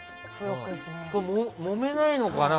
もめないのかな